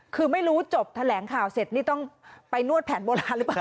คือไม่รู้จบแถลงข่าวเสร็จนี่ต้องไปนวดแผนโบราณหรือเปล่า